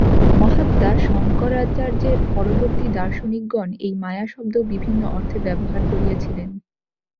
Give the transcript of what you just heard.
মহাত্মা শঙ্করাচার্যের পূর্ববর্তী দার্শনিকগণ এই মায়া-শব্দ বিভিন্ন অর্থে ব্যবহার করিয়াছিলেন।